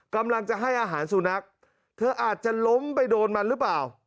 กำลังจะให้อาหารสุนัขเธออาจจะล้มไปโดนมันหรือเปล่า